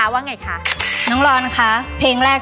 พี่อ๋อมไม่ได้ครับ